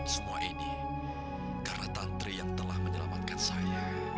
semua ini karena tantri yang telah menyelamatkan saya